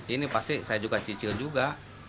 ini pasti saya juga cicil juga